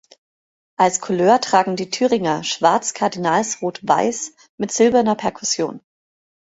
Als Couleur tragen die Thüringer schwarz-kardinalsrot-weiß mit silberner Perkussion.